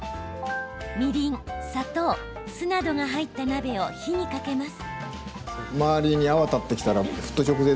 みりん、砂糖、酢などが入った鍋を火にかけます。